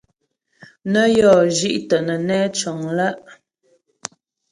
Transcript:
Nə́ yɔ́ zhi'tə nə́ nɛ́ cəŋ lá'.